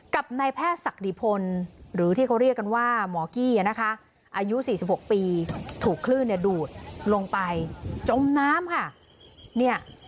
กับนายแพทย์ศักดิพลหรือที่เขาเรียกกันว่าหมอกี้นะคะอายุ๔๖ปีถูกคลื่นเนี่ยดูดลงไปจมน้ำค่ะ